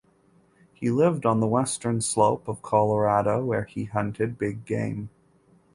He lived on the western slope of Colorado where he hunted big game.